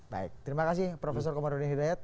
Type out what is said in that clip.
baik terima kasih prof komarudin hidayat